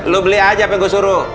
lo beli aja apa gue suruh